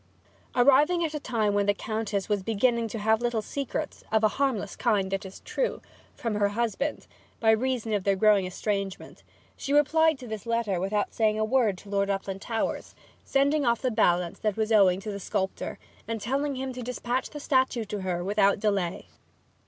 Arriving at a time when the Countess was beginning to have little secrets (of a harmless kind, it is true) from her husband, by reason of their growing estrangement, she replied to this letter without saying a word to Lord Uplandtowers, sending off the balance that was owing to the sculptor, and telling him to despatch the statue to her without delay.